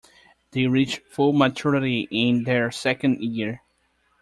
They reach full maturity in their second year.